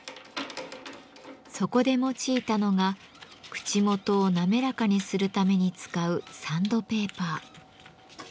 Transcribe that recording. そこで用いたのが口元を滑らかにするために使うサンドペーパー。